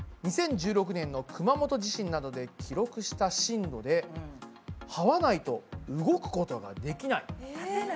２０１６年の熊本地震などで記録した震度で「はわないと動くことができない」。